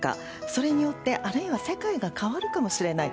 それによって、あるいは世界が変わるかもしれない。